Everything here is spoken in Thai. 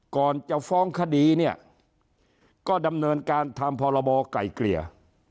ก่อนจะฟ้องคดีเนี่ยก็ดำเนินการทำพรบไก่เกลี่ย